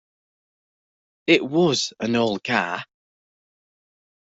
It was an old car.